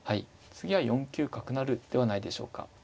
次は４九角成ではないでしょうか。